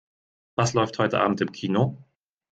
Was läuft heute Abend im Kino?